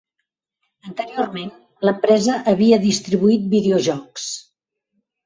Anteriorment, l'empresa havia distribuït videojocs.